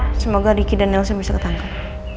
doain aja ya semoga ricky dan elsa bisa ketangkap